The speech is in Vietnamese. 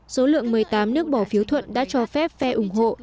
số lượng một mươi tám nước bỏ phiếu thuận đã cho phép phe ủng hộ